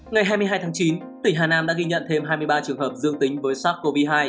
ngày hai mươi hai tháng chín tỉnh hà nam đã ghi nhận thêm hai mươi ba trường hợp dương tính với sars cov hai